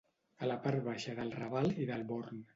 A la part baixa del Raval i del Born